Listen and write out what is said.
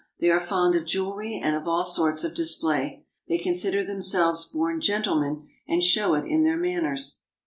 They are fond of jewelry and of all sorts of display. They consider them selves born gentlemen, and show it in their manners.